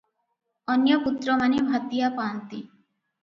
ଅନ୍ୟ ପୁତ୍ରମାନେ ଭାତିଆ ପାଆନ୍ତି ।